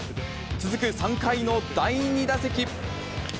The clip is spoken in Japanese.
続く３回の第２打席。